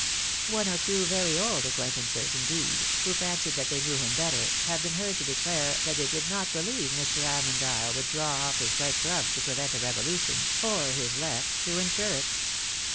One or two very old acquaintances, indeed, who fancied that they knew him better, have beenheardr to declare that they did not believe Mr. Armondyle would draw off his right glove to prevent a revolution, or his left to insure it.